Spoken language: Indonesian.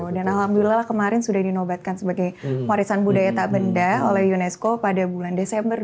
dan alhamdulillah kemarin sudah dinobatkan sebagai warisan budaya tak benda oleh unesco pada bulan desember dua ribu dua puluh tiga